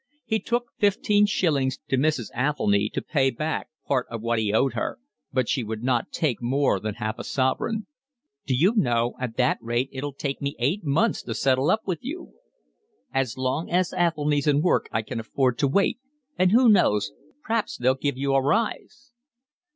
He took fifteen shillings to Mrs. Athelny to pay back part of what he owed her, but she would not take more than half a sovereign. "D'you know, at that rate it'll take me eight months to settle up with you." "As long as Athelny's in work I can afford to wait, and who knows, p'raps they'll give you a rise."